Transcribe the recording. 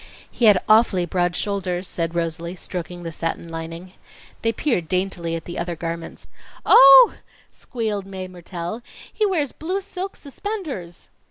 "He had awfully broad shoulders," said Rosalie, stroking the satin lining. They peered daintily at the other garments. "Oh!" squealed Mae Mertelle. "He wears blue silk suspenders."